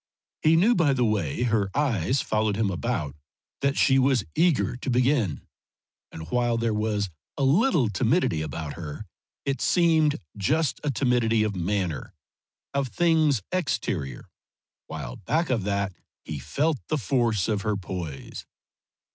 He knew by the way her eyes followed him about that she was eager to begin, and while there was a little timidity about her it seemed just a timidity of manner, of things exterior, while back of that he felt the force of her poise.